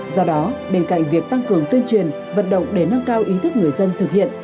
do đó bên cạnh việc tăng cường tuyên truyền vận động để nâng cao ý thức người dân thực hiện